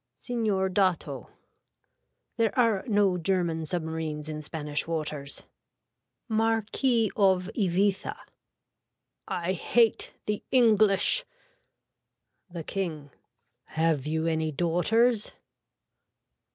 (Signor Dato.) There are no german submarines in Spanish waters. (Marquis of Ibyza.) I hate the English. (The King.) Have you any daughters.